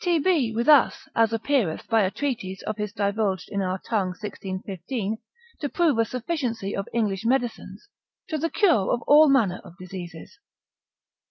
T. B. with us, as appeareth by a treatise of his divulged in our tongue 1615, to prove the sufficiency of English medicines, to the cure of all manner of diseases.